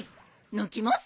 抜きます！